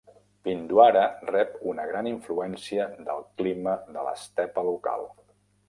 Pindwara rep una gran influència del clima de l'estepa local.